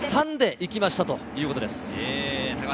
１・２・３で行きましたということです。